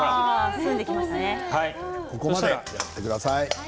ここまでやってください。